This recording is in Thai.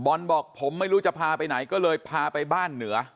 บอกผมไม่รู้จะพาไปไหนก็เลยพาไปบ้านเหนือ